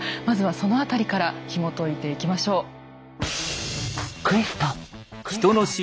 まずはその辺りからひもといていきましょう。